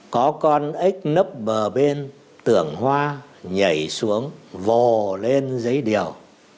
có con ếch nấp bờ bên tưởng hoa nhảy xuống vồ lên giấy điều